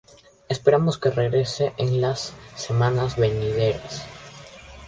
Esperamos que regrese en las semanas venideras".